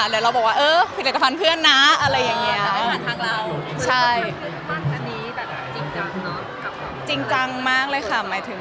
แล้วเราบอกว่าเออผิดเหลือตะพันเพื่อนนะอะไรอย่างนี้